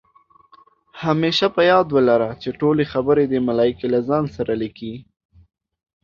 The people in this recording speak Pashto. همېشه په یاد ولره، چې ټولې خبرې دې ملائکې له ځان سره لیکي